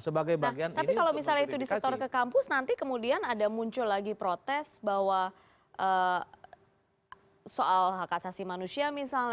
tapi kalau misalnya itu disetor ke kampus nanti kemudian ada muncul lagi protes bahwa soal hak asasi manusia misalnya